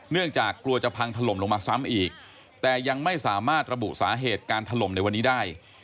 กลัวจะพังถล่มลงมาซ้ำอีกแต่ยังไม่สามารถระบุสาเหตุการถล่มในวันนี้ได้